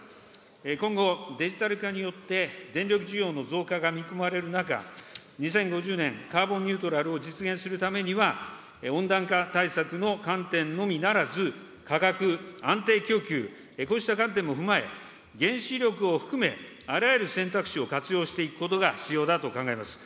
今後、デジタル化によって電力需要の増加が見込まれる中、２０５０年カーボンニュートラルを実現するためには、温暖化対策の観点のみならず、価格安定供給、こうした観点も踏まえ、原子力を含め、あらゆる選択肢を活用していくことが必要だと考えます。